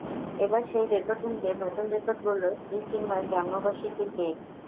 এবার সেই রেকর্ড ভেঙে নতুন রেকর্ড গড়ল শ্রী চিন্ময়ের জন্মবার্ষিকীর কেক।